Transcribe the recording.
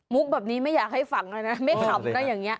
แบบนี้ไม่อยากให้ฝังแล้วนะไม่ขำนะอย่างนี้